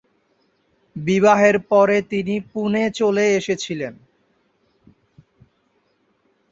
বিবাহের পরে তিনি পুনে চলে এসেছিলেন।